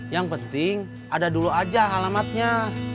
yang penting ada dulu aja alamatnya